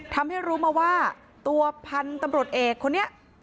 ทำให้รู้มาว่าตัวพันธุ์ตำรวจเอกคนนี้